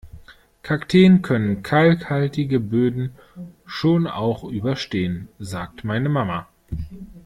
Kakteen können kalkhaltige Böden schon auch überstehen, sagt meine Mama.